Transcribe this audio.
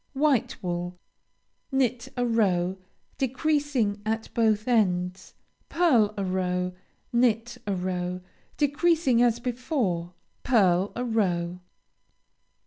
White wool Knit a row, decreasing at both ends. Pearl a row. Knit a row, decreasing as before. Pearl a row.